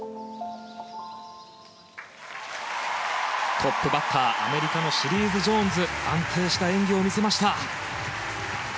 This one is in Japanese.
トップバッターアメリカのシリーズ・ジョーンズ安定した演技を見せました。